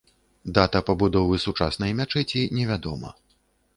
Дата пабудовы сучаснай мячэці не вядома.